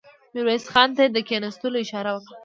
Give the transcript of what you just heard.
ميرويس خان ته يې د کېناستلو اشاره وکړه.